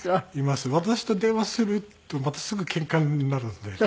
私と電話するとまたすぐけんかになるので。